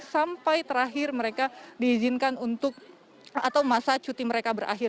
sampai terakhir mereka diizinkan untuk atau masa cuti mereka berakhir